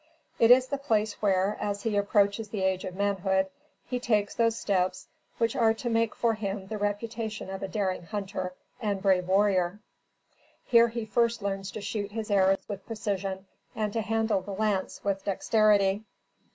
It is the place where, as he approaches the age of manhood, he takes those steps which are to make for him the reputation of a daring hunter and brave warrior. Here he first learns to shoot his arrows with precision, and to handle the lance with dexterity.